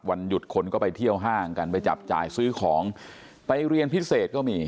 วันหยุดคนก็ไปเที่ยวห้างกันไปจับจ่ายซื้อของไปเรียนพิเศษก็มี